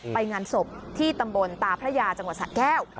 ไปงานศพที่ตำบลตาพระยาจังหวัดสะแก้ว